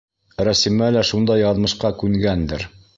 Рәсимә лә шундай яҙмышҡа күнгәндер.